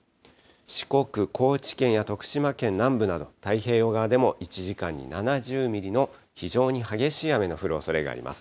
四国・高知県や徳島県南部など、太平洋側でも１時間に７０ミリの非常に激しい雨の降るおそれがあります。